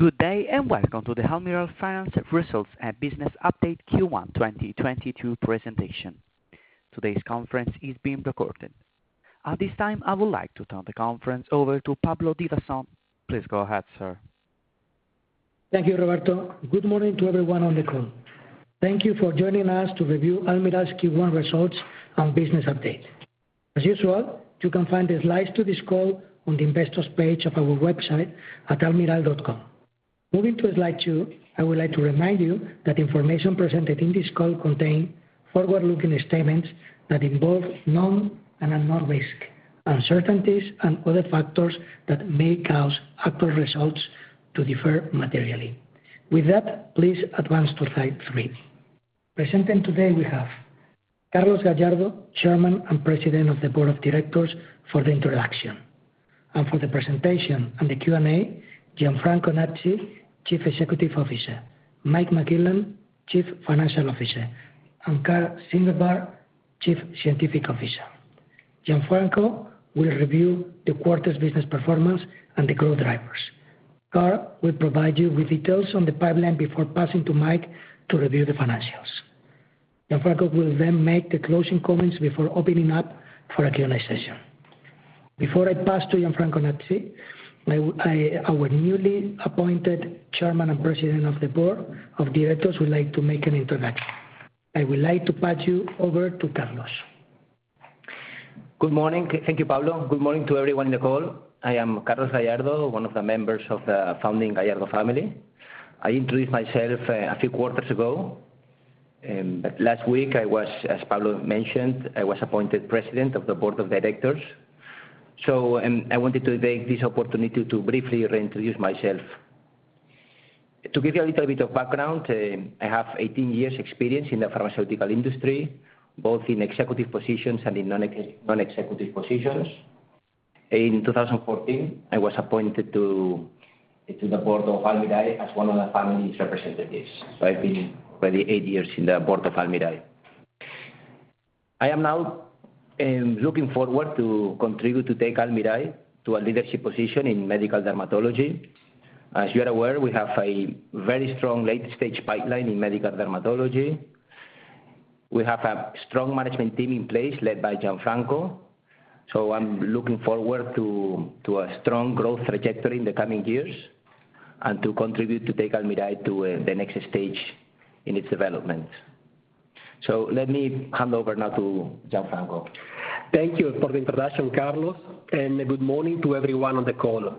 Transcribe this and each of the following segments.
Good day, and welcome to the Almirall Finance Results and Business Update Q1 2022 presentation. Today's conference is being recorded. At this time, I would like to turn the conference over to Pablo Divason. Please go ahead, sir. Thank you, Roberto. Good morning to everyone on the call. Thank you for joining us to review Almirall's Q1 results and business update. As usual, you can find the slides to this call on the investors page of our website at almirall.com. Moving to slide 2, I would like to remind you that information presented in this call contain forward-looking statements that involve known and unknown risk, uncertainties, and other factors that may cause actual results to differ materially. With that, please advance to slide 3. Presenting today we have Carlos Gallardo Piqué, Chairman and President of the Board of Directors for the introduction. For the presentation and the Q&A, Gianfranco Nazzi, Chief Executive Officer, Mike McClellan, Chief Financial Officer, and Karl Ziegelbauer, Chief Scientific Officer. Gianfranco will review the quarter's business performance and the growth drivers. Karl will provide you with details on the pipeline before passing to Mike to review the financials. Gianfranco will then make the closing comments before opening up for a Q&A session. Before I pass to Gianfranco Nazzi, our newly appointed Chairman and President of the Board of Directors would like to make an introduction. I would like to pass you over to Carlos. Good morning. Thank you, Pablo Divason. Good morning to everyone in the call. I am Carlos Gallardo Piqué, 1 of the members of the founding Gallardo family. I introduced myself a few quarters ago. Last week, as Pablo Divason mentioned, I was appointed President of the Board of Directors. I wanted to take this opportunity to briefly re-introduce myself. To give you a little bit of background, I have 18 years experience in the pharmaceutical industry, both in executive positions and in non-executive positions. In 2014, I was appointed to the board of Almirall as 1 of the family's representatives. I've been already 8 years in the board of Almirall. I am now looking forward to contribute to take Almirall to a leadership position in medical dermatology. As you are aware, we have a very strong late-stage pipeline in medical dermatology. We have a strong management team in place led by Gianfranco. I'm looking forward to a strong growth trajectory in the coming years and to contribute to take Almirall to the next stage in its development. Let me hand over now to Gianfranco. Thank you for the introduction, Carlos, and good morning to everyone on the call.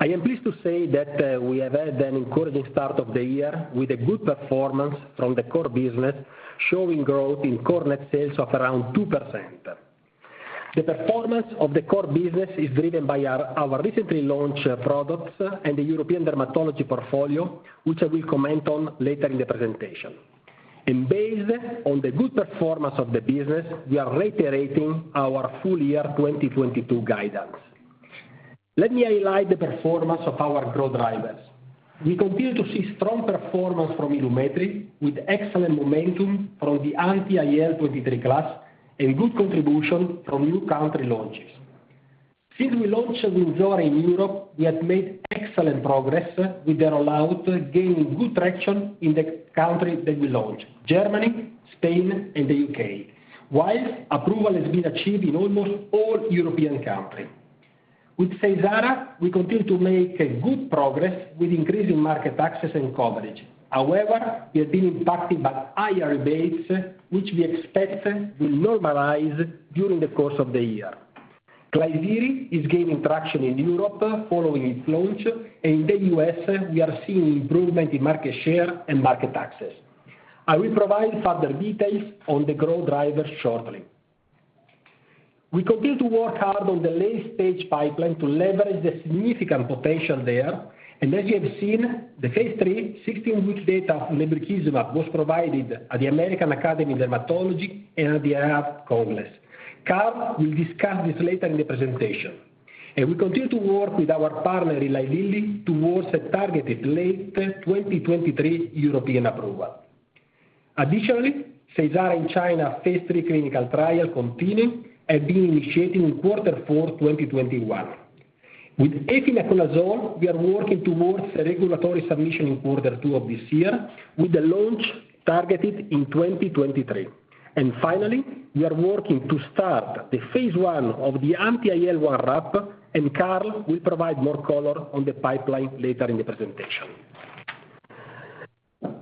I am pleased to say that we have had an encouraging start of the year with a good performance from the core business, showing growth in core net sales of around 2%. The performance of the core business is driven by our recently launched products and the European dermatology portfolio, which I will comment on later in the presentation. Based on the good performance of the business, we are reiterating our full year 2022 guidance. Let me highlight the performance of our growth drivers. We continue to see strong performance from Ilumetri, with excellent momentum from the anti-IL-23 class and good contribution from new country launches. Since we launched Wynzora in Europe, we have made excellent progress with the rollout, gaining good traction in the countries that we launched, Germany, Spain, and the UK, while approval has been achieved in almost all European countries. With Seysara, we continue to make good progress with increasing market access and coverage. However, we have been impacted by higher rebates, which we expect will normalize during the course of the year. Klisyri is gaining traction in Europe following its launch, and in the US, we are seeing improvement in market share and market access. I will provide further details on the growth drivers shortly. We continue to work hard on the late-stage pipeline to leverage the significant potential there. As you have seen, the phase 3 16-week data on lebrikizumab was provided at the American Academy of Dermatology and at the EADV Congress. Karl will discuss this later in the presentation. We continue to work with our partner, Eli Lilly, towards a targeted late 2023 European approval. Additionally, Seysara in China phase 3 clinical trial continue and being initiated in Q4 2021. With efinaconazole, we are working towards a regulatory submission in quarter 2 of this year with the launch targeted in 2023. Finally, we are working to start the phase 1 of the anti-IL-1RAP, and Karl will provide more colour on the pipeline later in the presentation.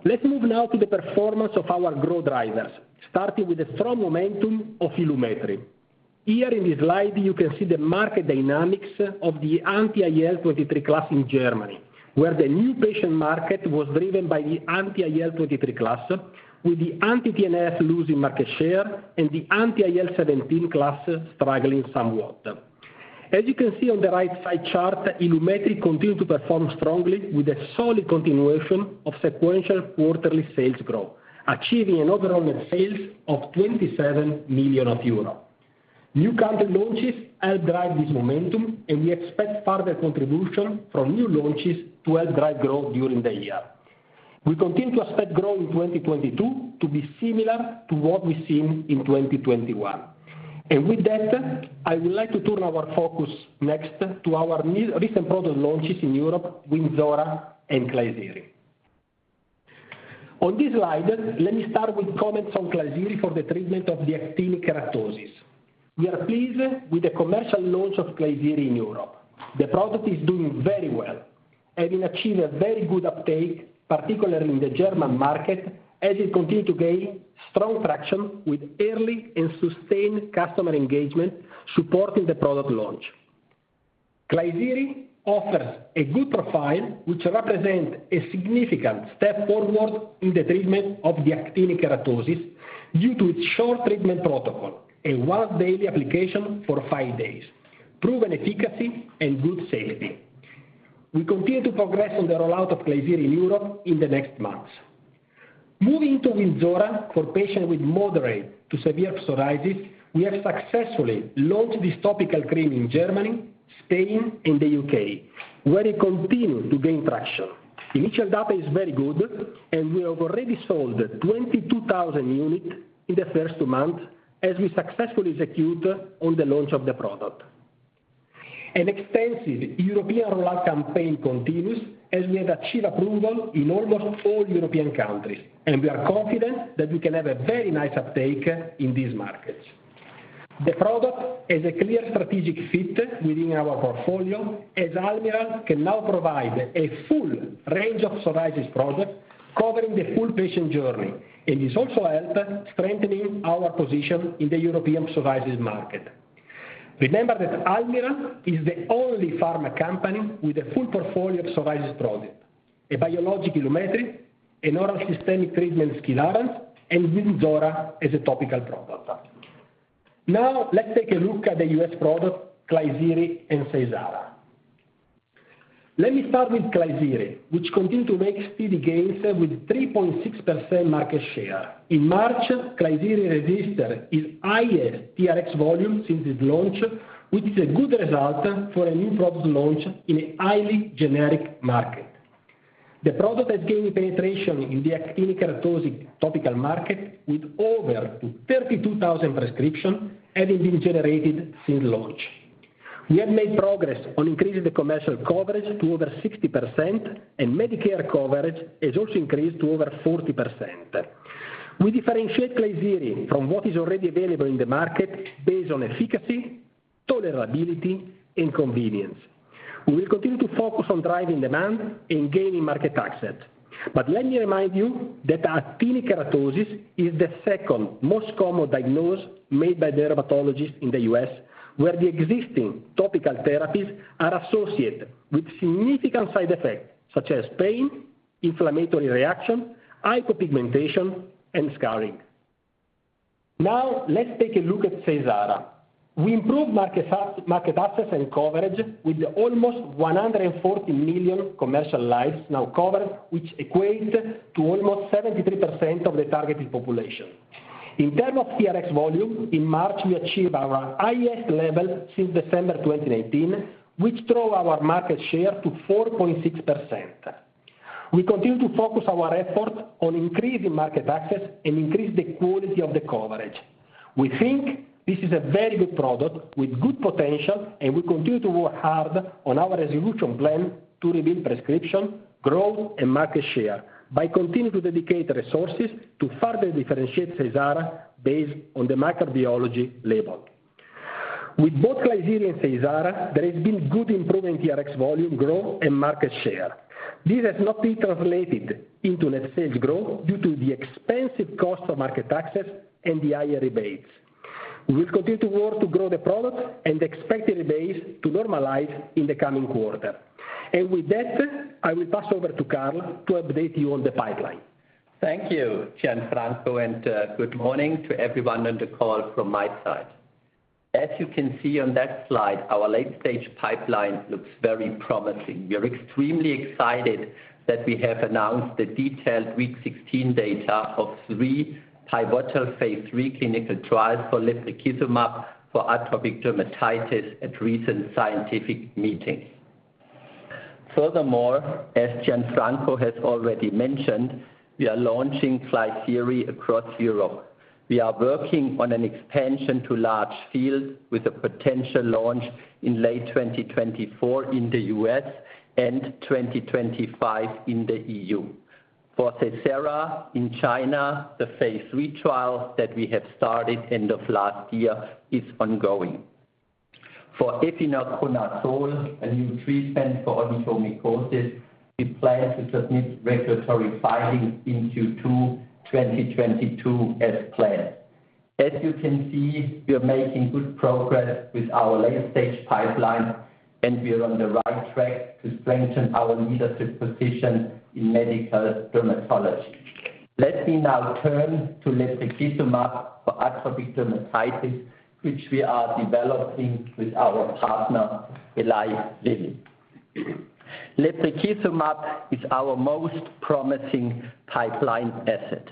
Let's move now to the performance of our growth drivers, starting with the strong momentum of Ilumetri. Here in this slide, you can see the market dynamics of the anti-IL-23 class in Germany, where the new patient market was driven by the anti-IL-23 class, with the anti-TNF losing market share and the anti-IL-17 class struggling somewhat. As you can see on the right side chart, Ilumetri continued to perform strongly with a solid continuation of sequential quarterly sales growth, achieving an overall net sales of 27 million euro. New country launches help drive this momentum, and we expect further contribution from new launches to help drive growth during the year. We continue to expect growth in 2022 to be similar to what we've seen in 2021. With that, I would like to turn our focus next to our new recent product launches in Europe, Wynzora and Klisyri. On this slide, let me start with comments on Klisyri for the treatment of the actinic keratosis. We are pleased with the commercial launch of Klisyri in Europe. The product is doing very well, having achieved a very good uptake, particularly in the German market, as it continued to gain strong traction with early and sustained customer engagement supporting the product launch. Klisyri offers a good profile, which represent a significant step forward in the treatment of the actinic keratosis due to its short treatment protocol, a once daily application for 5 days, proven efficacy and good safety. We continue to progress on the rollout of Klisyri in Europe in the next months. Moving to Wynzora for patients with moderate to severe psoriasis, we have successfully launched this topical cream in Germany, Spain and the UK, where it continued to gain traction. Initial data is very good, and we have already sold 22,000 units in the first month as we successfully execute on the launch of the product. An extensive European rollout campaign continues as we have achieved approval in almost all European countries, and we are confident that we can have a very nice uptake in these markets. The product is a clear strategic fit within our portfolio as Almirall can now provide a full range of psoriasis products covering the full patient journey, and this also help strengthening our position in the European psoriasis market. Remember that Almirall is the only pharma company with a full portfolio of psoriasis products, a biologic, Ilumetri, an oral systemic treatment, Skilarence, and Wynzora as a topical product. Now, let's take a look at the US product, Klisyri and Seysara. Let me start with Klisyri, which continued to make speedy gains with 3.6% market share. In March, Klisyri registered its highest TRX volume since its launch, which is a good result for a new product launch in a highly generic market. The product has gained penetration in the actinic keratosis topical market with over 32,000 prescriptions having been generated since launch. We have made progress on increasing the commercial coverage to over 60%, and Medicare coverage has also increased to over 40%. We differentiate Klisyri from what is already available in the market based on efficacy, tolerability, and convenience. We will continue to focus on driving demand and gaining market access. Let me remind you that actinic keratosis is the second most common diagnosis made by dermatologists in the U.S., where the existing topical therapies are associated with significant side effects such as pain, inflammatory reaction, hypopigmentation, and scarring. Now, let's take a look at Seysara. We improved market access and coverage with almost 140 million commercial lives now covered, which equates to almost 73% of the targeted population. In terms of TRX volume, in March, we achieved our highest level since December 2019, which drove our market share to 4.6%. We continue to focus our effort on increasing market access and increase the quality of the coverage. We think this is a very good product with good potential, and we continue to work hard on our execution plan to drive prescription growth and market share by continuing to dedicate resources to further differentiate Seysara based on the microbiology label. With both Aczone and Seysara, there has been good improvement in TRX volume growth and market share. This has not been translated into net sales growth due to the expensive cost of market access and the higher rebates. We will continue to work to grow the product and expect the rebates to normalize in the coming quarter. With that, I will pass over to Karl to update you on the pipeline. Thank you, Gianfranco, and good morning to everyone on the call from my side. As you can see on that slide, our late-stage pipeline looks very promising. We are extremely excited that we have announced the detailed week 16 data of 3 pivotal phase 3 clinical trials for lebrikizumab for atopic dermatitis at recent scientific meetings. Furthermore, as Gianfranco has already mentioned, we are launching Klisyri across Europe. We are working on an expansion to large fields with a potential launch in late 2024 in the US and 2025 in the EU. For Seysara in China, the phase 3 trial that we have started end of last year is ongoing. For efinaconazole, a new treatment for onychomycosis, we plan to submit regulatory filings in Q2 2022 as planned. As you can see, we are making good progress with our late-stage pipeline, and we are on the right track to strengthen our leadership position in medical dermatology. Let me now turn to lebrikizumab for atopic dermatitis, which we are developing with our partner, Eli Lilly. Lebrikizumab is our most promising pipeline asset.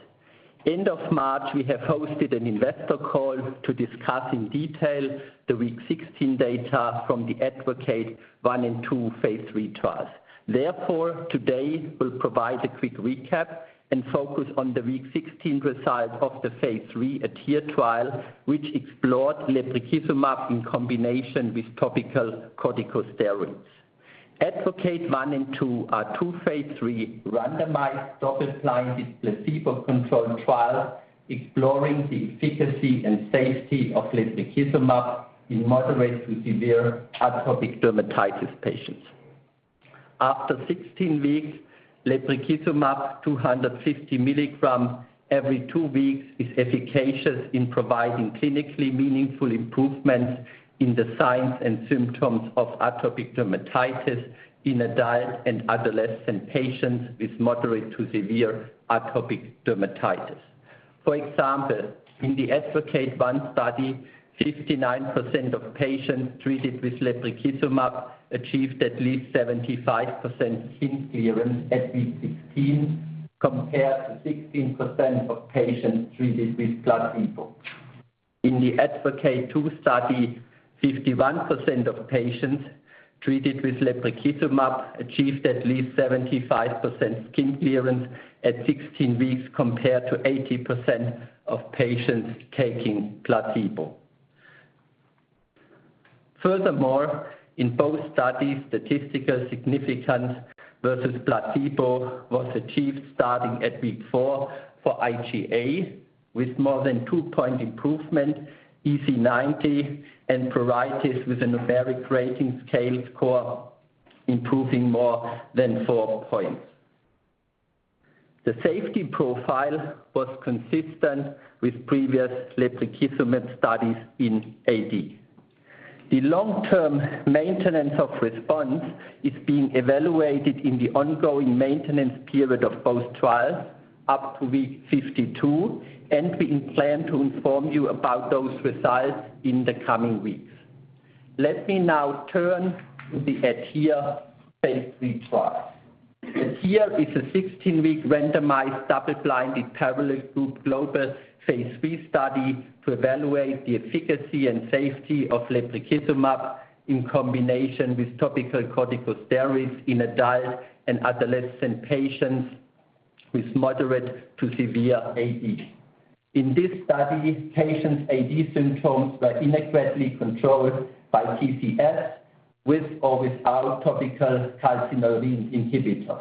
End of March, we have hosted an investor call to discuss in detail the week 16 data from the ADvocate 1 and 2 phase III trials. Therefore, today we'll provide a quick recap and focus on the week 16 results of the phase III ADHERE trial, which explored lebrikizumab in combination with topical corticosteroids. Advocate 1 and 2 are 2 phase 3 randomized, double-blinded, placebo-controlled trials exploring the efficacy and safety of lebrikizumab in moderate to severe atopic dermatitis patients. After 16 weeks, lebrikizumab 250mg every 2 weeks is efficacious in providing clinically meaningful improvements in the signs and symptoms of atopic dermatitis in adult and adolescent patients with moderate to severe atopic dermatitis. For example, in the ADvocate 1 study, 59% of patients treated with lebrikizumab achieved at least 75% skin clearance at week 16, compared to 16% of patients treated with placebo. In the ADvocate 2 study, 51% of patients treated with lebrikizumab achieved at least 75% skin clearance at 16 weeks, compared to 80% of patients taking placebo. Furthermore, in both studies, statistical significance versus placebo was achieved starting at week 4 for IGA, with more than 2-point improvement EASI 90 and pruritus with a numeric rating scale score improving more than 4 points. The safety profile was consistent with previous lebrikizumab studies in AD. The long-term maintenance of response is being evaluated in the ongoing maintenance period of both trials up to week 52, and we plan to inform you about those results in the coming weeks. Let me now turn to the ADHERE phase III trial. ADHERE is a 16-week randomized double-blinded parallel group global phase III study to evaluate the efficacy and safety of lebrikizumab in combination with topical corticosteroids in adult and adolescent patients with moderate to severe AD. In this study, patients' AD symptoms were inadequately controlled by TCS with or without topical calcineurin inhibitor.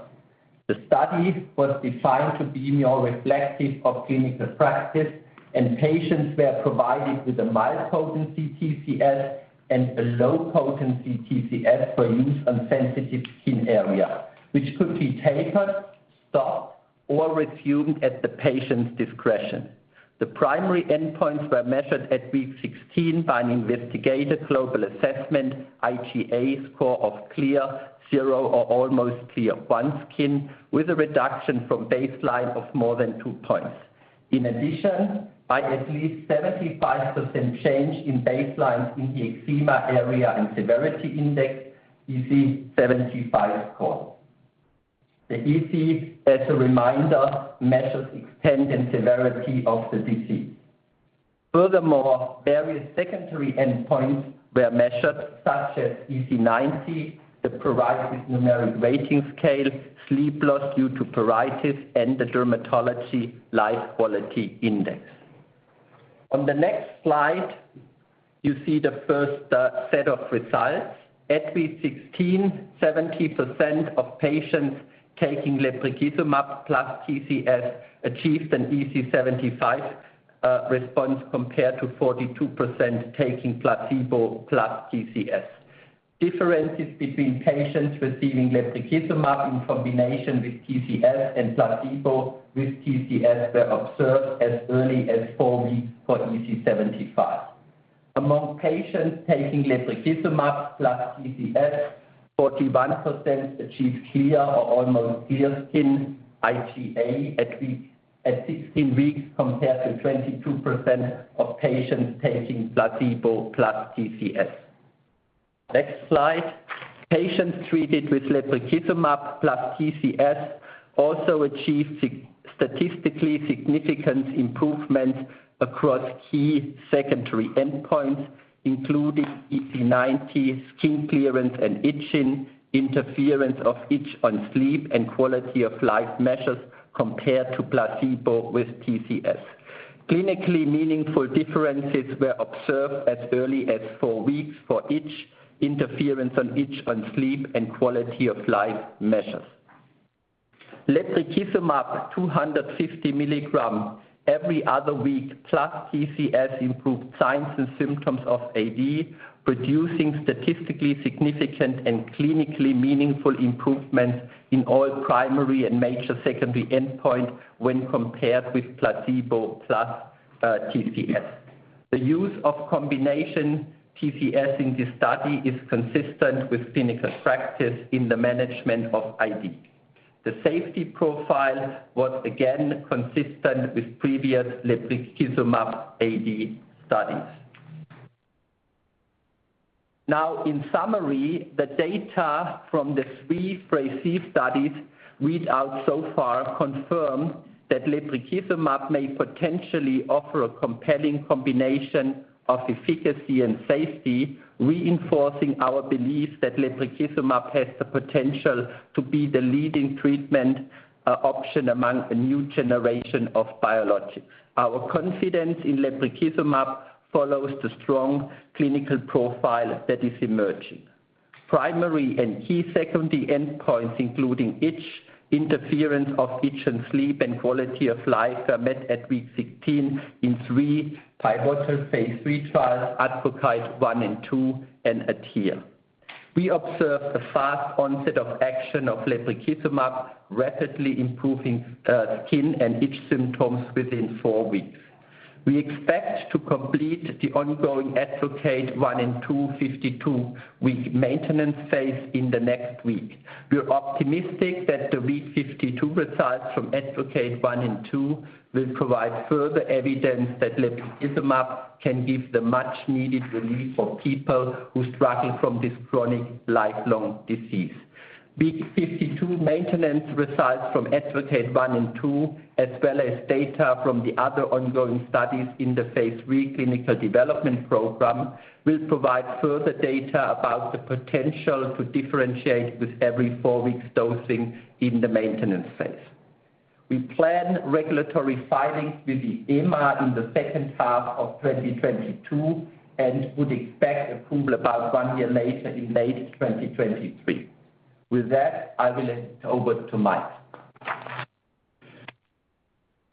The study was designed to be more reflective of clinical practice, and patients were provided with a mild potency TCS and a low potency TCS for use on sensitive skin area, which could be tapered, stopped, or resumed at the patient's discretion. The primary endpoints were measured at week 16 by an Investigator Global Assessment, IGA score of clear, 0 or almost clear, 1 skin, with a reduction from baseline of more than 2 points. In addition, by at least 75% change in baseline in the Eczema Area and Severity Index, EASI 75 score. The EASI, as a reminder, measures extent and severity of the disease. Furthermore, various secondary endpoints were measured, such as EASI 90, the pruritus numeric rating scale, sleep loss due to pruritus, and the Dermatology Life Quality Index. On the next slide, you see the first set of results. At week 16, 70% of patients taking lebrikizumab plus TCS achieved an EASI 75 response, compared to 42% taking placebo plus TCS. Differences between patients receiving lebrikizumab in combination with TCS and placebo with TCS were observed as early as 4 weeks for EASI 75. Among patients taking lebrikizumab plus TCS, 41% achieved clear or almost clear skin IGA at 16 weeks, compared to 22% of patients taking placebo plus TCS. Next slide. Patients treated with lebrikizumab plus TCS also achieved statistically significant improvements across key secondary endpoints, including EASI 90, skin clearance and itching, interference of itch on sleep and quality of life measures compared to placebo with TCS. Clinically meaningful differences were observed as early as 4 weeks for itch, interference of itch on sleep and quality of life measures. Lebrikizumab 250 milligrams every other week, plus TCS improved signs and symptoms of AD, producing statistically significant and clinically meaningful improvements in all primary and major secondary endpoint when compared with placebo plus TCS. The use of combination TCS in this study is consistent with clinical practice in the management of AD. The safety profile was again consistent with previous lebrikizumab AD studies. Now, in summary, the data from the 3 phase 3 studies read out so far confirm that lebrikizumab may potentially offer a compelling combination of efficacy and safety, reinforcing our belief that lebrikizumab has the potential to be the leading treatment option among a new generation of biologics. Our confidence in lebrikizumab follows the strong clinical profile that is emerging. Primary and key secondary endpoints, including itch, interference of itch and sleep, and quality of life are met at week 16 in 3 pivotal phase 3 trials, Advocate 1 and 2, and ADHERE. We observed a fast onset of action of lebrikizumab, rapidly improving skin and itch symptoms within 4 weeks. We expect to complete the ongoing Advocate 1 and 2 52-week maintenance phase in the next week. We are optimistic that the week 52 results from Advocate 1 and 2 will provide further evidence that lebrikizumab can give the much-needed relief for people who struggle from this chronic lifelong disease. Week 52 maintenance results from Advocate 1 and 2, as well as data from the other ongoing studies in the phase 3 clinical development program, will provide further data about the potential to differentiate with every 4 weeks dosing in the maintenance phase. We plan regulatory filings with the EMA in the H2 of 2022 and would expect approval about 1 year later in late 2023. With that, I will hand it over to Mike.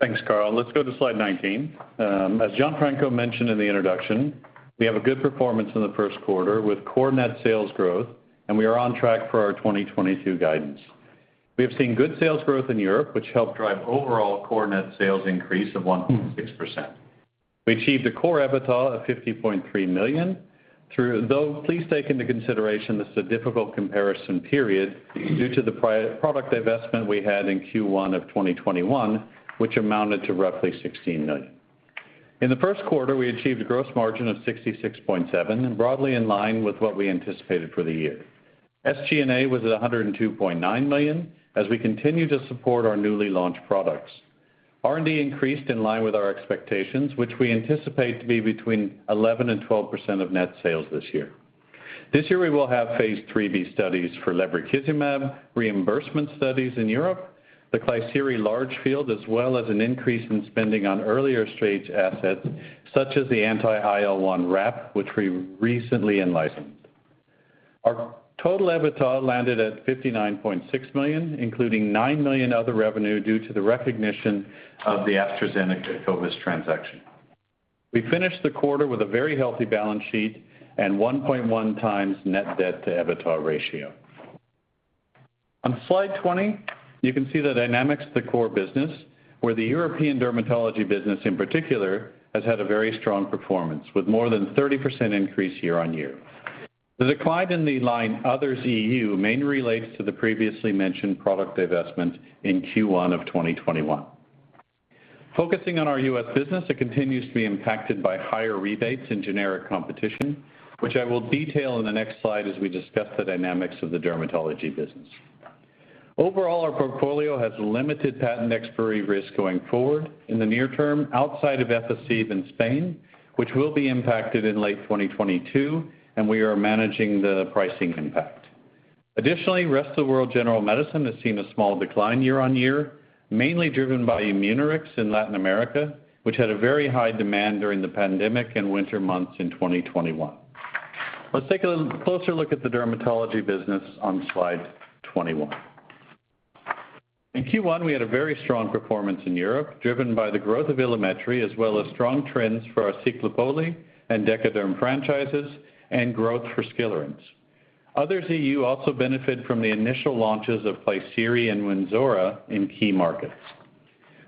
Thanks, Karl. Let's go to slide 19. As Gianfranco mentioned in the introduction, we have a good performance in the Q1 with core net sales growth, and we are on track for our 2022 guidance. We have seen good sales growth in Europe, which helped drive overall core net sales increase of 1.6%. We achieved a core EBITDA of 50.3 million though please take into consideration this is a difficult comparison period due to the prior product divestment we had in Q1 of 2021, which amounted to roughly 16 million. In the Q1, we achieved a gross margin of 66.7%, broadly in line with what we anticipated for the year. SG&A was at 102.9 million as we continue to support our newly launched products. R&D increased in line with our expectations, which we anticipate to be between 11% and 12% of net sales this year. This year, we will have phase 3B studies for lebrikizumab, reimbursement studies in Europe, the Klisyri large field, as well as an increase in spending on earlier-stage assets, such as the anti-IL-1RAP, which we recently in-licensed. Our total EBITDA landed at 59.6 million, including 9 million other revenue due to the recognition of the AstraZeneca COVID-19 transaction. We finished the quarter with a very healthy balance sheet and 1.1x net debt-to-EBITDA ratio. On slide 20, you can see the dynamics of the core business, where the European dermatology business in particular has had a very strong performance, with more than 30% increase year-on-year. The decline in the line Others EU mainly relates to the previously mentioned product divestment in Q1 2021. Focusing on our US business, it continues to be impacted by higher rebates and generic competition, which I will detail in the next slide as we discuss the dynamics of the dermatology business. Overall, our portfolio has limited patent expiry risk going forward in the near term outside of Etrivex in Spain, which will be impacted in late 2022, and we are managing the pricing impact. Additionally, Rest of the World General Medicine has seen a small decline year-on-year, mainly driven by Immunorix in Latin America, which had a very high demand during the pandemic and winter months in 2021. Let's take a closer look at the dermatology business on slide 21. In Q1, we had a very strong performance in Europe, driven by the growth of Ilumetri, as well as strong trends for our Ciclopoli and Decoderm franchises and growth for Skilarence. Other EU also benefit from the initial launches of Klisyri and Wynzora in key markets.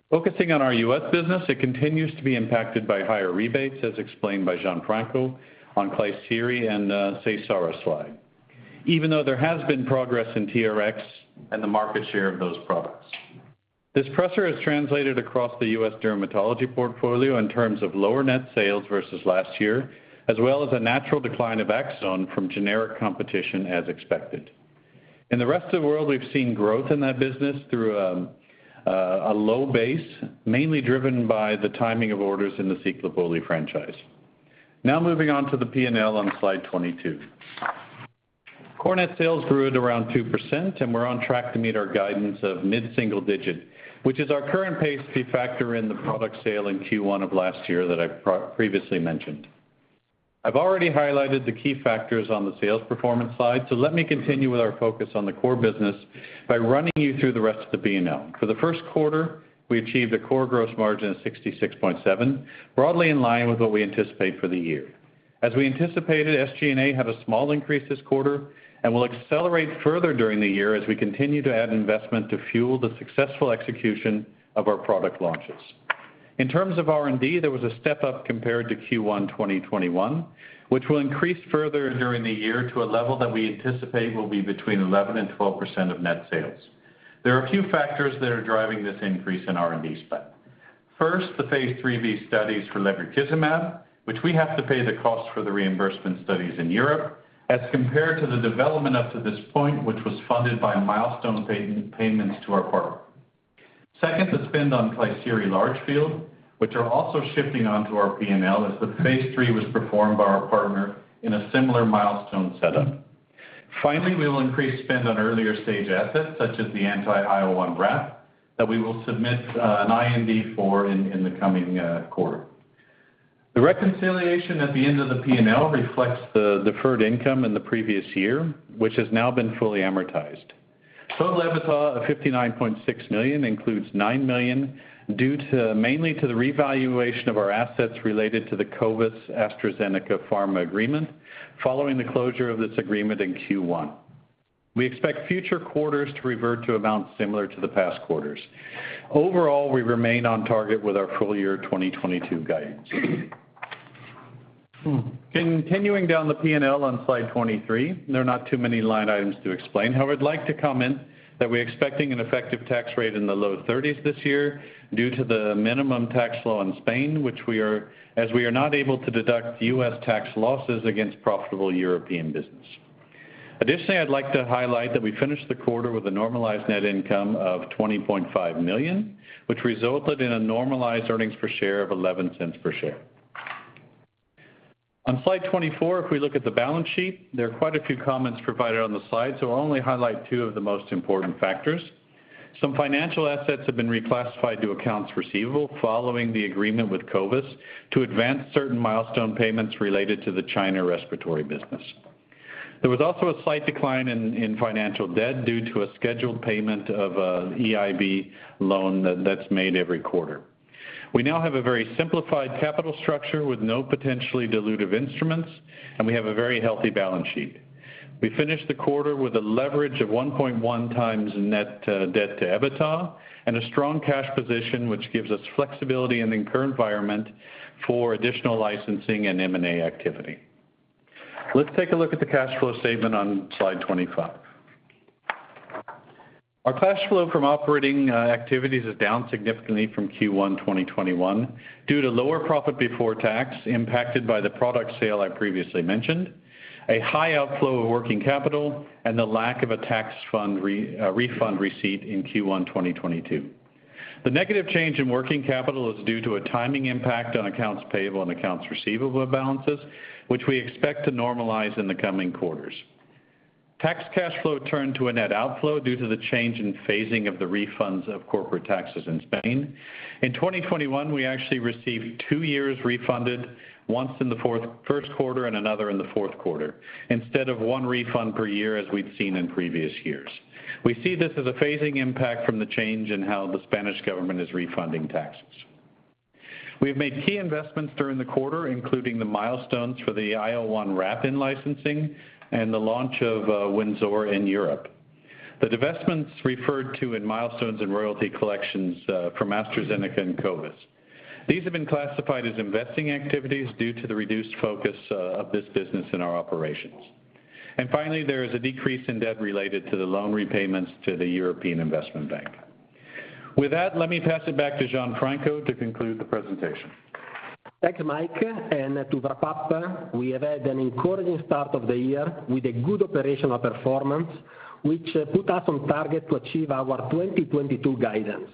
Focusing on our US business, it continues to be impacted by higher rebates, as explained by Gianfranco on Klisyri and Seysara slide. Even though there has been progress in TRX and the market share of those products. This pressure has translated across the US dermatology portfolio in terms of lower net sales versus last year, as well as a natural decline of Aczone from generic competition as expected. In the rest of the world, we've seen growth in that business through a low base, mainly driven by the timing of orders in the Ciclopoli franchise. Now moving on to the P&L on slide 22. Core net sales grew at around 2%, and we're on track to meet our guidance of mid-single digit, which is our current pace if we factor in the product sale in Q1 of last year that I previously mentioned. I've already highlighted the key factors on the sales performance slide, so let me continue with our focus on the core business by running you through the rest of the P&L. For the Q1, we achieved a core gross margin of 66.7, broadly in line with what we anticipate for the year. As we anticipated, SG&A had a small increase this quarter and will accelerate further during the year as we continue to add investment to fuel the successful execution of our product launches. In terms of R&D, there was a step up compared to Q1 2021, which will increase further during the year to a level that we anticipate will be between 11%-12% of net sales. There are a few factors that are driving this increase in R&D spend. First, the Phase 3b studies for lebrikizumab, which we have to pay the cost for the reimbursement studies in Europe as compared to the development up to this point, which was funded by milestone payment, payments to our partner. Second, the spend on Klisyri large field, which are also shifting onto our P&L as the Phase 3 was performed by our partner in a similar milestone setup. Finally, we will increase spend on earlier stage assets such as the anti-IL-1RAP that we will submit an IND for in the coming quarter. The reconciliation at the end of the P&L reflects the deferred income in the previous year, which has now been fully amortized. Total EBITDA of 59.6 million includes 9 million due mainly to the revaluation of our assets related to the Covis-AstraZeneca pharma agreement following the closure of this agreement in Q1. We expect future quarters to revert to amounts similar to the past quarters. Overall, we remain on target with our full year 2022 guidance. Continuing down the P&L on slide 23, there are not too many line items to explain. However, I'd like to comment that we're expecting an effective tax rate in the low 30s% this year due to the minimum tax law in Spain, as we are not able to deduct U.S. tax losses against profitable European business. I'd like to highlight that we finished the quarter with a normalized net income of 20.5 million, which resulted in a normalized earnings per share of 0.11 per share. On slide 24, if we look at the balance sheet, there are quite a few comments provided on the slide, so I'll only highlight 2 of the most important factors. Some financial assets have been reclassified to accounts receivable following the agreement with Covis to advance certain milestone payments related to the China respiratory business. There was also a slight decline in financial debt due to a scheduled payment of EIB loan that's made every quarter. We now have a very simplified capital structure with no potentially dilutive instruments, and we have a very healthy balance sheet. We finished the quarter with a leverage of 1.1x net debt to EBITDA and a strong cash position, which gives us flexibility in the current environment for additional licensing and M&A activity. Let's take a look at the cash flow statement on slide 25. Our cash flow from operating activities is down significantly from Q1 2021 due to lower profit before tax impacted by the product sale I previously mentioned, a high outflow of working capital, and the lack of a tax refund receipt in Q1 2022. The negative change in working capital is due to a timing impact on accounts payable and accounts receivable balances, which we expect to normalize in the coming quarters. Tax cash flow turned to a net outflow due to the change in phasing of the refunds of corporate taxes in Spain. In 2021, we actually received 2 years refunded, once in the Q1 and another in the Q4, instead of 1 refund per year as we'd seen in previous years. We see this as a phasing impact from the change in how the Spanish government is refunding taxes. We have made key investments during the quarter, including the milestones for the IL-1RAP licensing and the launch of Wynzora in Europe. The divestments referred to in milestones and royalty collections from AstraZeneca and Covis. These have been classified as investing activities due to the reduced focus of this business in our operations. Finally, there is a decrease in debt related to the loan repayments to the European Investment Bank. With that, let me pass it back to Gianfranco to conclude the presentation. Thanks, Mike. To wrap up, we have had an encouraging start of the year with a good operational performance, which put us on target to achieve our 2022 guidance.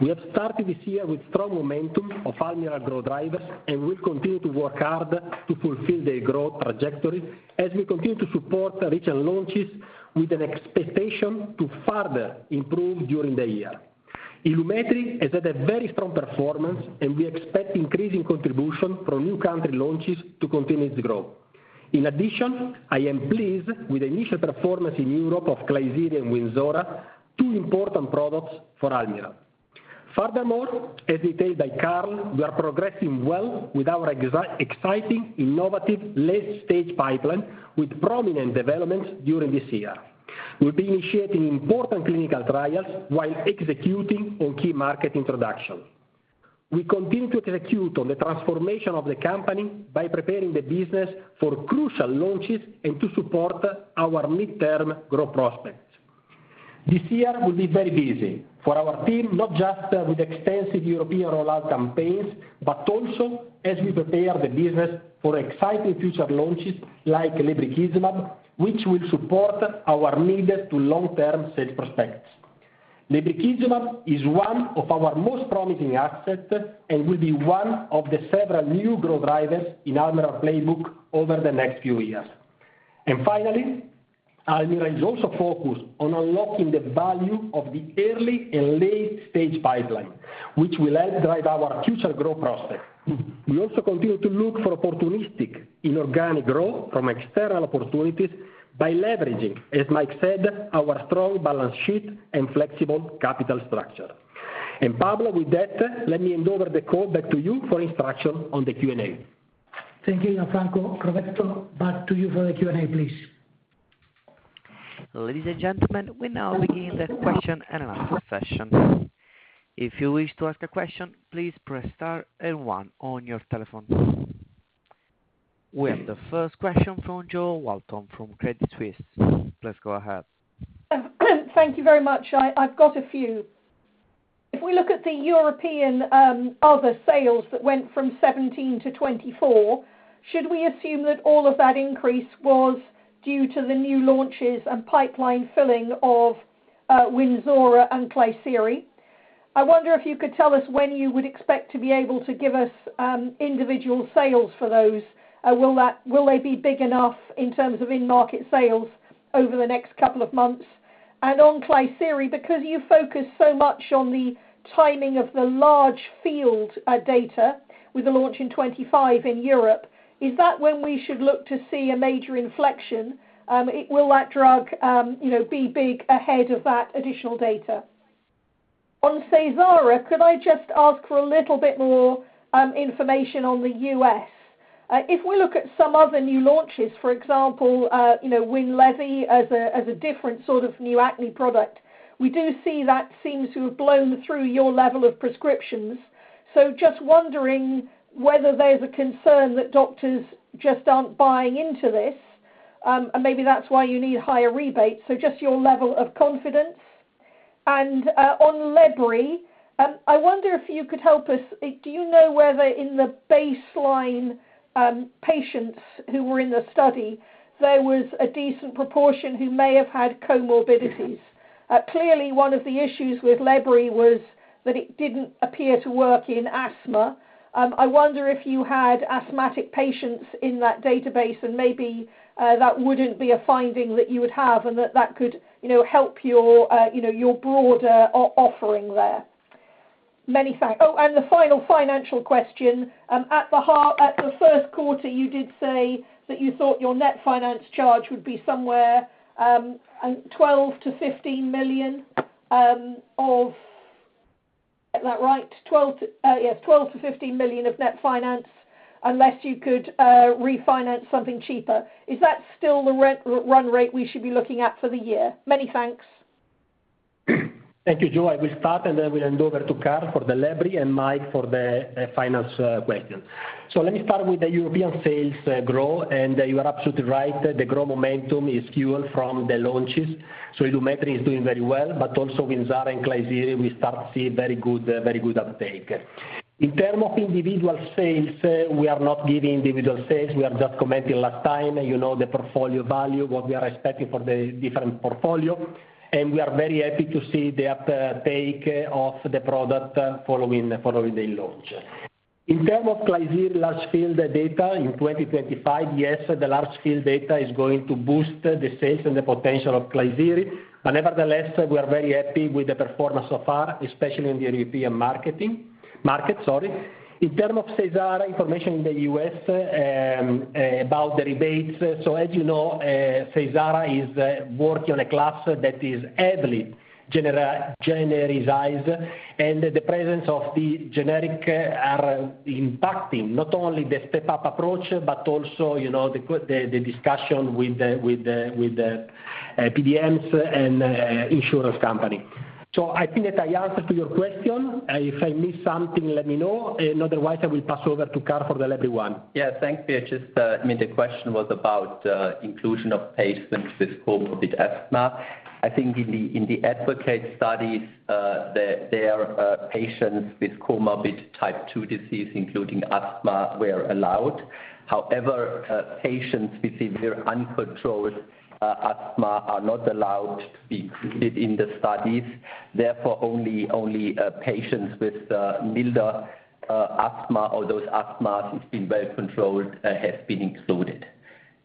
We have started this year with strong momentum of Almirall growth drivers, and we'll continue to work hard to fulfill their growth trajectory as we continue to support recent launches with an expectation to further improve during the year. Ilumetri has had a very strong performance, and we expect increasing contribution from new country launches to continue its growth. In addition, I am pleased with the initial performance in Europe of Klisyri and Wynzora, 2 important products for Almirall. Furthermore, as detailed by Karl, we are progressing well with our exciting, innovative late stage pipeline with prominent developments during this year. We'll be initiating important clinical trials while executing on key market introductions. We continue to execute on the transformation of the company by preparing the business for crucial launches and to support our mid-term growth prospects. This year will be very busy for our team, not just with extensive European rollout campaigns, but also as we prepare the business for exciting future launches like lebrikizumab, which will support our need for long-term sales prospects. Lebrikizumab is 1 of our most promising assets and will be 1 of the several new growth drivers in Almirall playbook over the next few years. Finally, Almirall is also focused on unlocking the value of the early- and late-stage pipeline, which will help drive our future growth prospects. We also continue to look for opportunistic inorganic growth from external opportunities by leveraging, as Mike said, our strong balance sheet and flexible capital structure. Pablo, with that, let me hand over the call back to you for instruction on the Q&A. Thank you, Gianfranco. Roberto, back to you for the Q&A, please. Ladies and gentlemen, we now begin the question and answer session. If you wish to ask a question, please press star and 1 on your telephone. We have the first question from Jo Walton from Credit Suisse. Please go ahead. Thank you very much. I've got a few. If we look at the European other sales that went from 17-24, should we assume that all of that increase was due to the new launches and pipeline filling of Wynzora and Klisyri? I wonder if you could tell us when you would expect to be able to give us individual sales for those. Will they be big enough in terms of in-market sales over the next couple of months? On Klisyri, because you focus so much on the timing of the large field data with the launch in 2025 in Europe, is that when we should look to see a major inflection? Will that drug, you know, be big ahead of that additional data? On Seysara, could I just ask for a little bit more information on the US? If we look at some other new launches, for example, you know, Winlevi as a different sort of new acne product, we do see that seems to have blown through your level of prescriptions. Just wondering whether there's a concern that doctors just aren't buying into this, and maybe that's why you need higher rebates. Just your level of confidence. On lebrikizumab, I wonder if you could help us. Do you know whether in the baseline, patients who were in the study, there was a decent proportion who may have had comorbidities? Clearly 1 of the issues with lebrikizumab was that it didn't appear to work in asthma. I wonder if you had asthmatic patients in that database, and maybe that wouldn't be a finding that you would have and that that could, you know, help your, you know, your broader offering there. Many thanks. Oh, and the final financial question. At the Q1, you did say that you thought your net finance charge would be somewhere and EUR 12-EUR 15 million of. Is that right? 12 to, yes, 12 to 15 million of net finance, unless you could refinance something cheaper. Is that still the run rate we should be looking at for the year? Many thanks. Thank you, Jo. I will start, and then we'll hand over to Karl for the lebrikizumab and Mike for the finance question. Let me start with the European sales growth. You are absolutely right. The growth momentum is fueled from the launches. Ilumetri is doing very well, but also Wynzora and Klisyri, we start to see very good uptake. In terms of individual sales, we are not giving individual sales. We have just commented last time, you know, the portfolio value, what we are expecting for the different portfolio, and we are very happy to see the uptake of the product following the launch. In terms of Klisyri real-world data in 2025, yes, the real-world data is going to boost the sales and the potential of Klisyri. Nevertheless, we are very happy with the performance so far, especially in the European market, sorry. In terms of Seysara information in the US, about the rebates. As you know, Seysara is working on a class that is heavily genericized, and the presence of the generics are impacting not only the step-up approach but also, you know, the discussion with the PBMs and insurance company. I think that I answered to your question. If I missed something, let me know. Otherwise, I will pass over to Karl for the lebrikizumab 1. Yeah. Thanks, Karl. Just, I mean, the question was about inclusion of patients with comorbid asthma. I think in the ADvocate studies, their patients with comorbid type 2 disease, including asthma, were allowed. However, patients with severe uncontrolled asthma are not allowed to be included in the studies. Therefore, only patients with milder asthma or those asthmatics who have been well controlled have been included.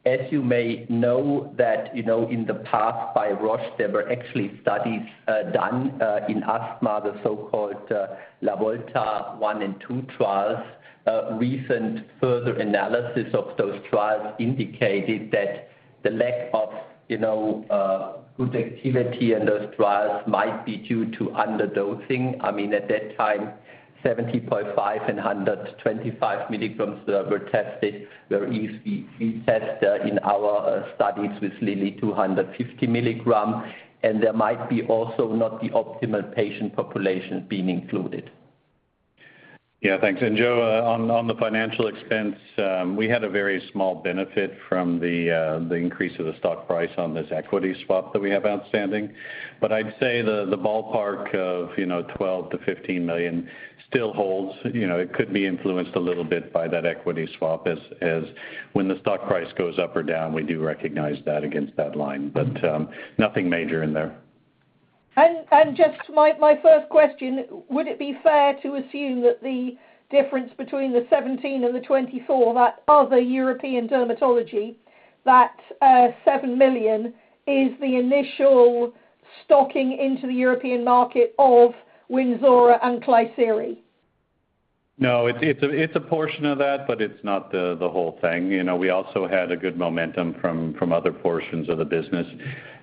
As you may know, you know, in the past by Roche, there were actually studies done in asthma, the so-called LAVOLTA I and II trials. Recent further analysis of those trials indicated that the lack of, you know, good activity in those trials might be due to underdosing. I mean, at that time, 70.5 and 125 milligrams were tested, whereas we test in our studies with Lilly 250 milligrams, and there might be also not the optimal patient population being included. Yeah. Thanks. Jo, on the financial expense, we had a very small benefit from the increase of the stock price on this equity swap that we have outstanding. I'd say the ballpark of, you know, 12 million-15 million still holds. You know, it could be influenced a little bit by that equity swap as when the stock price goes up or down, we do recognize that against that line. Nothing major in there. Just my first question, would it be fair to assume that the difference between the 17 million and the 24 million, that other European dermatology, that 7 million is the initial stocking into the European market of Wynzora and Klisyri? No. It's a portion of that, but it's not the whole thing. You know, we also had a good momentum from other portions of the business.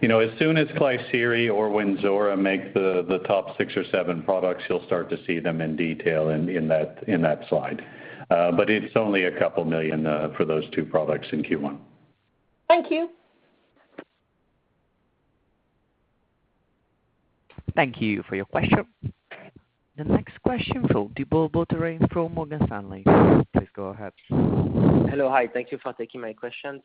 You know, as soon as Klisyri or Wynzora make the top 6 or 7 products, you'll start to see them in detail in that slide. But it's only 2 million for those 2 products in Q1. Thank you. Thank you for your question. The next question from Thibault Boutherin from Morgan Stanley. Please go ahead. Hello. Hi. Thank you for taking my questions.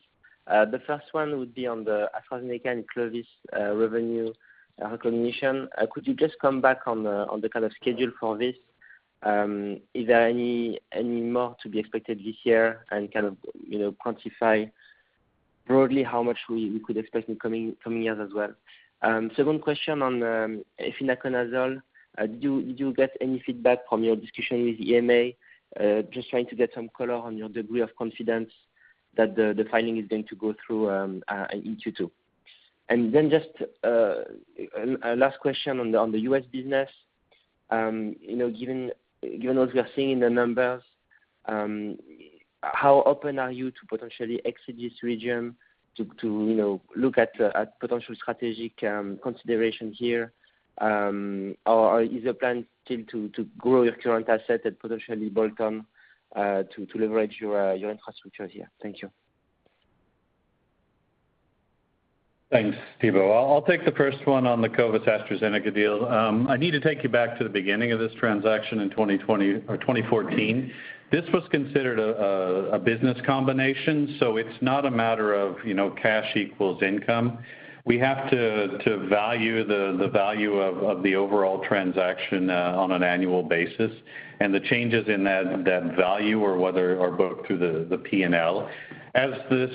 The first 1 would be on the AstraZeneca and Covis revenue recognition. Could you just come back on the kind of schedule for this? Is there any more to be expected this year? And kind of, you know, quantify broadly how much we could expect in coming years as well. Second question on efinaconazole. Did you get any feedback from your discussion with EMA? Just trying to get some color on your degree of confidence that the filing is going to go through in Q2. Then just a last question on the US business. You know, given what we are seeing in the numbers, how open are you to potentially exit this region to you know, look at potential strategic consideration here? Or is your plan still to grow your current asset and potentially bolt on to leverage your infrastructure here? Thank you. Thanks, Thibault. I'll take the first 1 on the Covis-AstraZeneca deal. I need to take you back to the beginning of this transaction in 2020 or 2014. This was considered a business combination, so it's not a matter of, you know, cash equals income. We have to value the value of the overall transaction on an annual basis. The changes in that value or whatever are both through the P&L. As this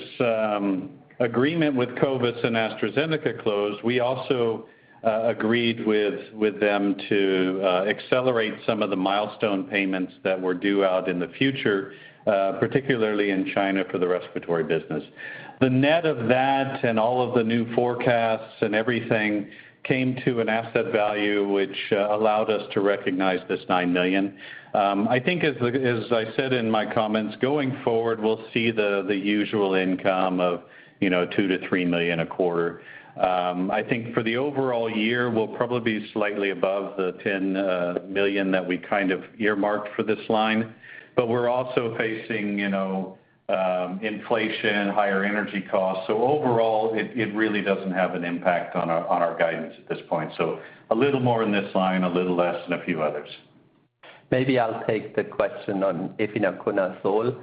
agreement with Covis and AstraZeneca closed, we also agreed with them to accelerate some of the milestone payments that were due out in the future, particularly in China for the respiratory business. The net of that and all of the new forecasts and everything came to an asset value which allowed us to recognize this 9 million. I think as I said in my comments, going forward we'll see the usual income of, you know, 2-3 million a quarter. I think for the overall year, we'll probably be slightly above the 10 million that we kind of earmarked for this line. We're also facing, you know, inflation, higher energy costs. Overall, it really doesn't have an impact on our guidance at this point. A little more in this line, a little less in a few others. Maybe I'll take the question on efinaconazole.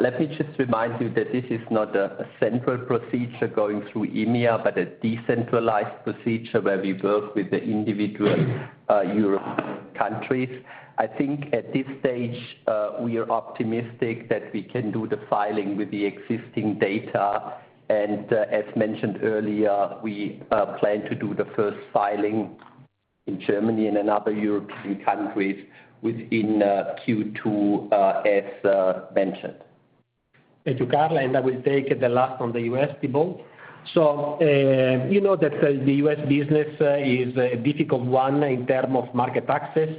Let me just remind you that this is not a central procedure going through EMEA, but a decentralized procedure where we work with the individual European countries. I think at this stage, we are optimistic that we can do the filing with the existing data. As mentioned earlier, we plan to do the first filing in Germany and in other European countries within Q2, as mentioned. Thank you, Karl, and I will take the last from the US, Thibault. You know that the US business is a difficult 1 in terms of market access.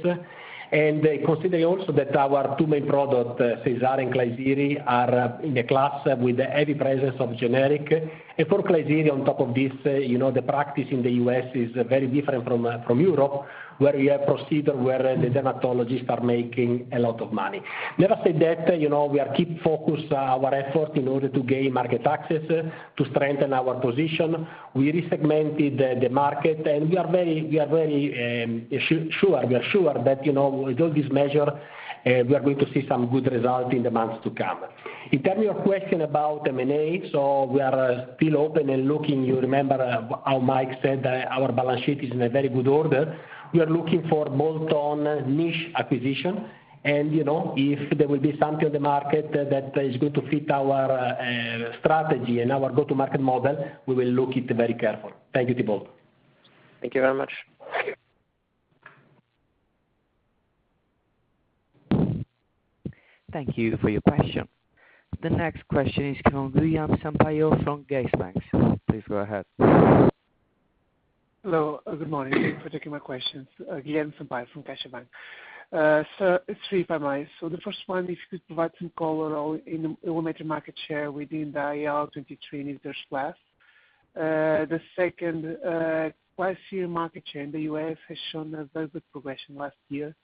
Consider also that our 2 main product, Seysara and Klisyri, are in a class with a heavy presence of generics. For Klisyri, on top of this, you know, the practice in the US is very different from Europe, where we have procedure where the dermatologists are making a lot of money. That said, you know, we are keep focused our effort in order to gain market access to strengthen our position. We resegmented the market, and we are very sure that, you know, with all this measure, we are going to see some good result in the months to come. In terms of your question about M&A, we are still open and looking. You remember how Mike said that our balance sheet is in a very good order. We are looking for bolt-on niche acquisition. You know, if there will be something in the market that is going to fit our strategy and our go-to-market model, we will look at it very carefully. Thank you, Thibault. Thank you very much. Thank you for your question. The next question is from Guilherme Sampaio from CaixaBank BPI. Please go ahead. Hello. Good morning. Thank you for taking my questions. Guilherme Sampaio from CaixaBank BPI. 3 primarily. The first 1, if you could provide some colour on Ilumetri market share within the IL-23 inhibitors class. The second, Klisyri market share in the US has shown a very good progression last year.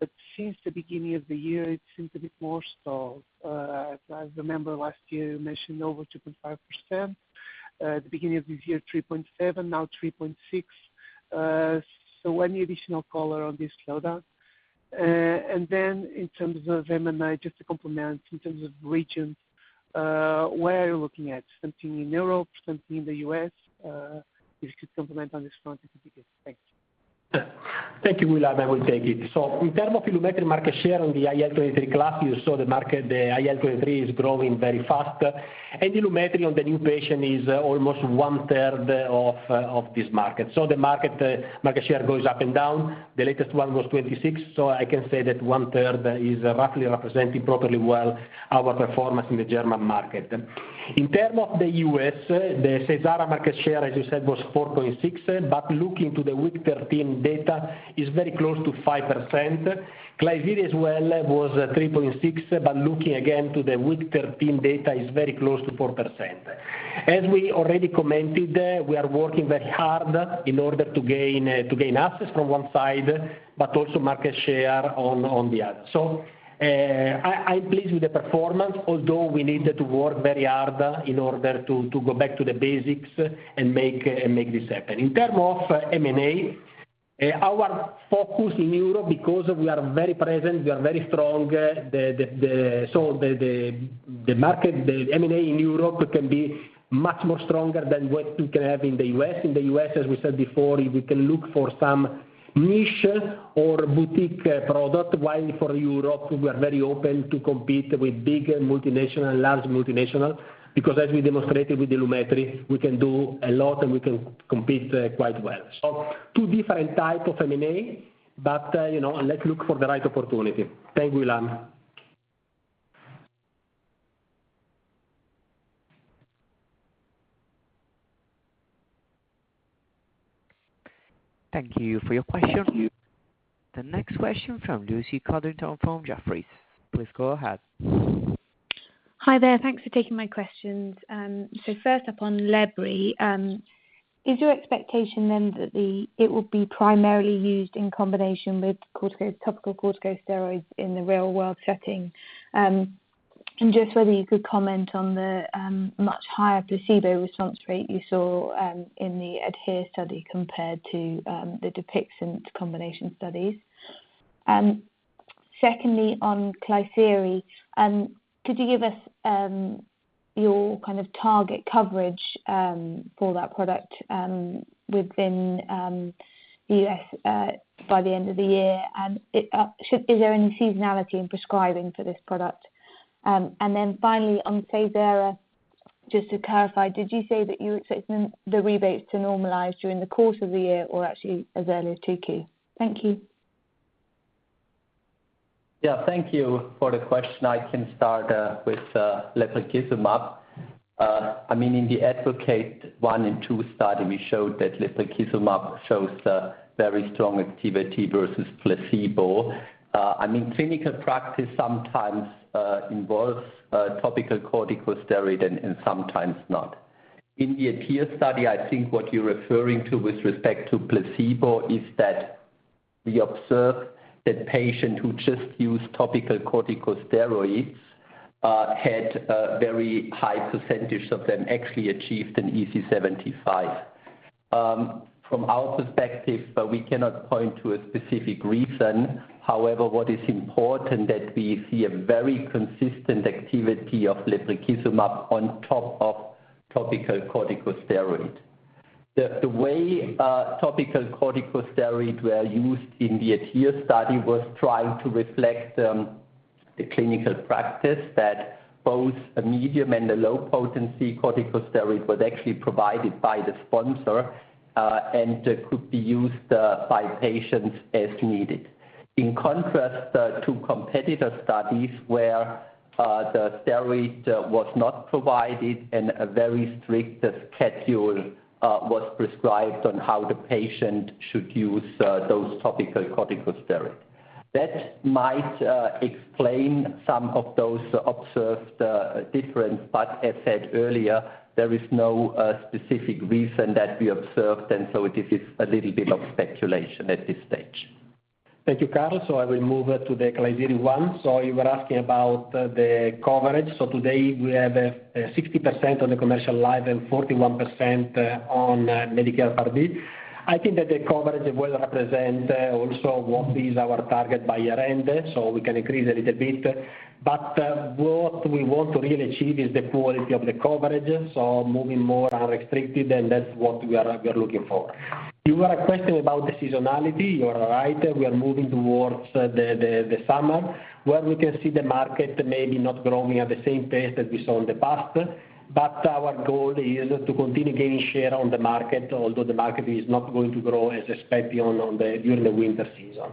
But since the beginning of the year, it seems a bit more stalled. As I remember last year, you mentioned over 2.5%. At the beginning of this year, 3.7%, now 3.6%. Any additional colour on this slowdown? In terms of M&A, just to complement in terms of regions, where are you looking at? Something in Europe? Something in the US? If you could complement on this front, it would be good. Thanks. Thank you, Guilherme. I will take it. In terms of Ilumetri market share on the IL-23 class, you saw the market, the IL-23 is growing very fast. Ilumetri on the new patient is almost 1/3 of this market. The market share goes up and down. The latest 1 was 26%, so I can say that 1/3 is roughly representing properly well our performance in the German market. In terms of the US, the Seysara market share, as you said, was 4.6%. Looking to the week 13 data, it's very close to 5%. Klisyri as well was 3.6%, but looking again to the week 13 data, it's very close to 4%. As we already commented, we are working very hard in order to gain access from 1 side, but also market share on the other. I'm pleased with the performance, although we need to work very hard in order to go back to the basics and make this happen. In terms of M&A Our focus in Europe, because we are very present, we are very strong. The market, the M&A in Europe can be much more stronger than what we can have in the US. In the US, as we said before, if we can look for some niche or boutique product while for Europe we are very open to compete with big multinational, large multinational because as we demonstrated with Ilumetri, we can do a lot and we can compete quite well. 2 different type of M&A, but you know, let's look for the right opportunity. Thank you, Guilherme. Thank you for your question. The next question from Lucy Codrington from Jefferies. Please go ahead. Hi there. Thanks for taking my questions. First up on lebrikizumab, is your expectation then that it will be primarily used in combination with topical corticosteroids in the real-world setting? Just whether you could comment on the much higher placebo response rate you saw in the ADHERE study compared to the Dupixent combination studies. Secondly, on Klisyri, could you give us your kind of target coverage for that product within the U.S. by the end of the year? Is there any seasonality in prescribing for this product? Then finally on Seysara, just to clarify, did you say that you're expecting the rebates to normalize during the course of the year or actually as early as Q2? Thank you. Yeah, thank you for the question. I can start with lebrikizumab. I mean, in the Advocate 1 and 2 study, we showed that lebrikizumab shows very strong activity versus placebo. I mean, clinical practice sometimes involves topical corticosteroid and sometimes not. In the ADHERE study, I think what you're referring to with respect to placebo is that we observed that patients who just use topical corticosteroids had a very high percentage of them actually achieved an EASI 75. From our perspective, but we cannot point to a specific reason. However, what is important that we see a very consistent activity of lebrikizumab on top of topical corticosteroid. The way topical corticosteroid were used in the ADHERE study was trying to reflect the clinical practice that both a medium and a low potency corticosteroid was actually provided by the sponsor and could be used by patients as needed. In contrast to competitor studies where the steroid was not provided and a very strict schedule was prescribed on how the patient should use those topical corticosteroids. That might explain some of those observed difference. As said earlier, there is no specific reason that we observed, and so this is a little bit of speculation at this stage. Thank you, Karl. I will move to the Klisyri 1. You were asking about the coverage. Today we have 60% on the commercial line and 41% on Medicare Part D. I think that the coverage will represent also what is our target by year-end, so we can increase a little bit. What we want to really achieve is the quality of the coverage, so moving more unrestricted, and that's what we are looking for. You were questioning about the seasonality. You are right. We are moving towards the summer, where we can see the market maybe not growing at the same pace that we saw in the past. Our goal is to continue gaining share on the market, although the market is not going to grow as expected during the winter season.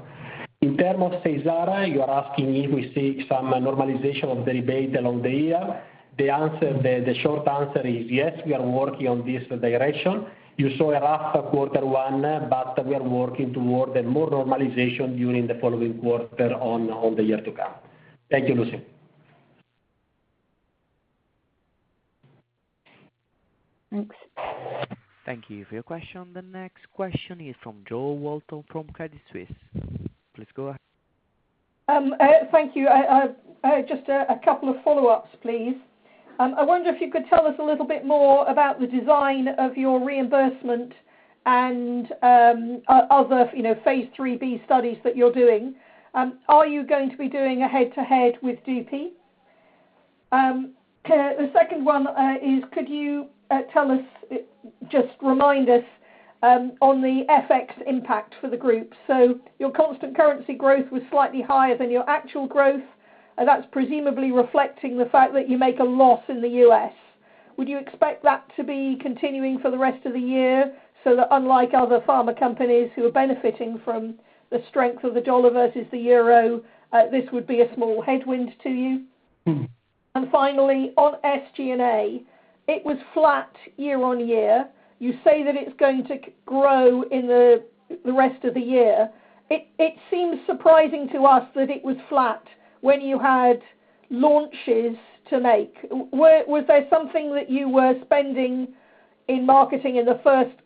In terms of Seysara, you are asking if we see some normalization of the rebate along the year. The short answer is yes, we are working on this direction. You saw a rough Q1, but we are working toward more normalization during the following quarter on the year to come. Thank you, Lucy. Thanks. Thank you for your question. The next question is from Jo Walton from Credit Suisse. Please go ahead. Thank you. Just a couple of follow-ups, please. I wonder if you could tell us a little bit more about the design of your reimbursement and other, you know, phase 3b studies that you're doing. Are you going to be doing a head-to-head with Dupixent? The second 1 is, could you tell us, just remind us, on the FX impact for the group. So your constant currency growth was slightly higher than your actual growth, and that's presumably reflecting the fact that you make a loss in the U.S. Would you expect that to be continuing for the rest of the year, so that unlike other pharma companies who are benefiting from the strength of the dollar versus the euro, this would be a small headwind to you? Mm-hmm. Finally, on SG&A, it was flat year-over-year. You say that it's going to grow in the rest of the year. It seems surprising to us that it was flat when you had launches to make. Was there something that you were spending in marketing in the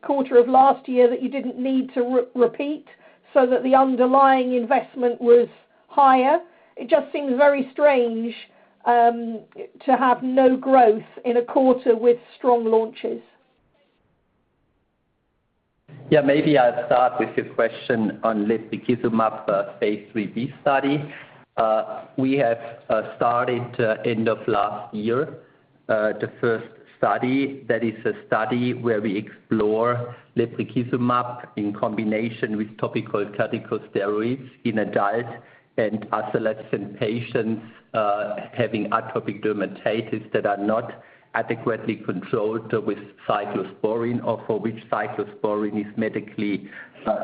Q1 of last year that you didn't need to repeat so that the underlying investment was higher? It just seems very strange to have no growth in a quarter with strong launches. Yeah, maybe I'll start with your question on lebrikizumab phase 3b study. We have started end of last year. The first study, that is a study where we explore lebrikizumab in combination with topical corticosteroids in adult and adolescents patients having atopic dermatitis that are not adequately controlled with cyclosporine or for which cyclosporine is medically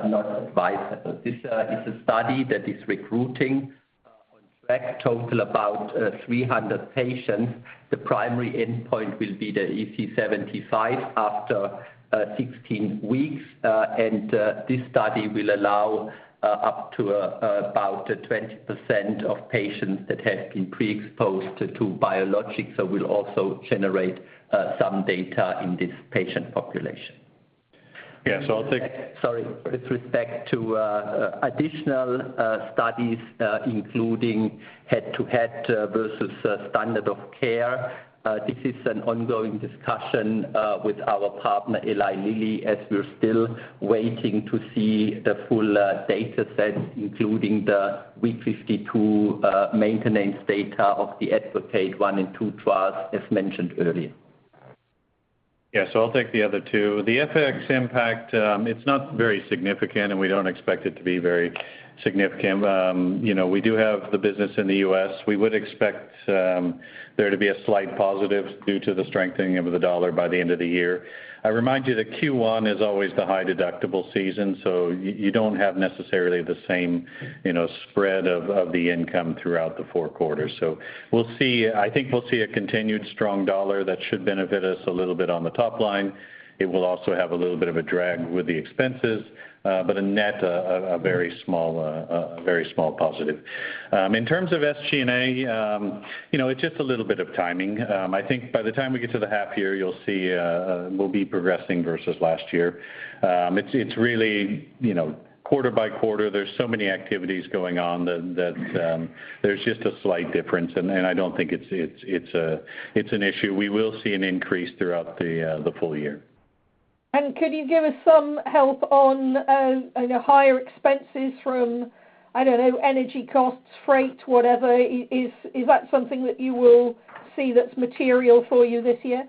not advisable. This is a study that is recruiting on track total about 300 patients. The primary endpoint will be the EASI 75 after 16 weeks. This study will allow up to about 20% of patients that have been pre-exposed to biologics. We'll also generate some data in this patient population. Yeah. Sorry. With respect to additional studies, including head to head versus standard of care, this is an ongoing discussion with our partner, Eli Lilly, as we're still waiting to see the full data set, including the week 52 maintenance data of the Advocate 1 and 2 trials, as mentioned earlier. I'll take the other 2. The FX impact, it's not very significant, and we don't expect it to be very significant. You know, we do have the business in the US. We would expect there to be a slight positive due to the strengthening of the dollar by the end of the year. I remind you that Q1 is always the high deductible season, so you don't have necessarily the same, you know, spread of the income throughout the 4 quarters. We'll see. I think we'll see a continued strong dollar that should benefit us a little bit on the top line. It will also have a little bit of a drag with the expenses, but a net, a very small positive. In terms of SG&A, you know, it's just a little bit of timing. I think by the time we get to the half year, you'll see we'll be progressing versus last year. It's really, you know, quarter by quarter, there's so many activities going on that there's just a slight difference, and I don't think it's an issue. We will see an increase throughout the full year. Could you give us some help on, you know, higher expenses from, I don't know, energy costs, freight, whatever. Is that something that you will see that's material for you this year?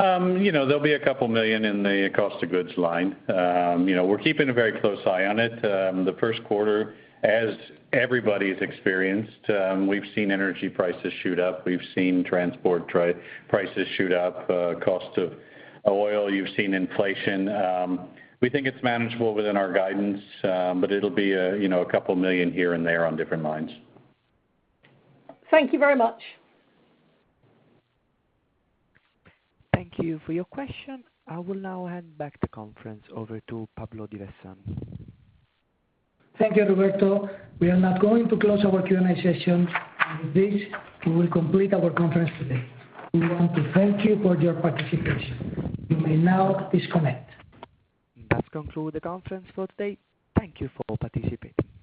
You know, there'll be EUR a couple million in the cost of goods line. You know, we're keeping a very close eye on it. The Q1, as everybody's experienced, we've seen energy prices shoot up. We've seen transport prices shoot up, cost of oil. You've seen inflation. We think it's manageable within our guidance, but it'll be, you know, a couple million here and there on different lines. Thank you very much. Thank you for your question. I will now hand back the conference over to Pablo Divason. Thank you, Roberto. We are now going to close our Q&A session. With this, we will complete our conference today. We want to thank you for your participation. You may now disconnect. That concludes the conference for today. Thank you for participating.